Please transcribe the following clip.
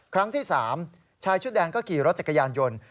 ครั้งที่๓ชายชุดแดงก็ขี่รถจักรยานยนต์